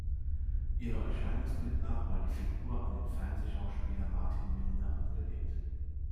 Ihrem Erscheinungsbild nach war die Figur an den Fernsehschauspieler Martin Milner angelehnt.